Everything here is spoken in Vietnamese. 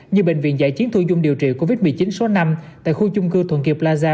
như bệnh viện giải chiến thu dung điều trị covid một mươi chín số năm tại khu chung cư thuận kiệp plaza